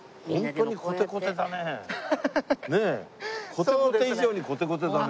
コテコテ以上にコテコテだね。